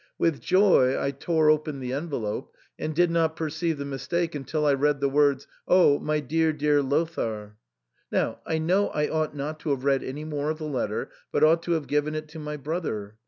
With joy I tore open the envelope, and did not perceive the mistake until I read the words, " Oh ! my dear, dear Lothair." Now I know I ought not to have read any more of the letter, but ought to have given it to my brother.